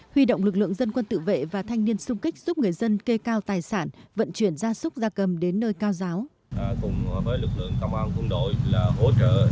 huy động lực lượng dân quân tự vệ và thanh niên sung kích giúp người dân kê cao tài sản vận chuyển gia súc gia cầm đến nơi cao giáo